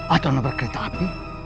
atau nabrak kereta api